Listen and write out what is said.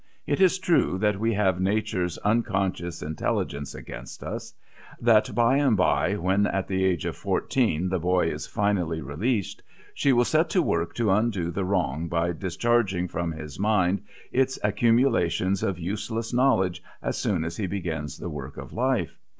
It is true that we have Nature's unconscious intelligence against us; that by and by, when at the age of fourteen the boy is finally released, she will set to work to undo the wrong by discharging from his mind its accumulations of useless knowledge as soon as he begins the work of life.